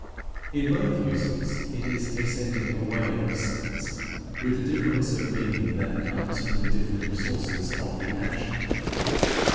In both uses, it is a sending away of sins, with the difference of meaning that comes from the differing sources of the action.